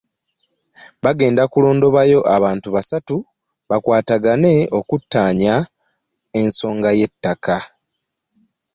Bagenda kulondobayo abantu basatu bakwatagane okuttaanya ensonga z'ettaka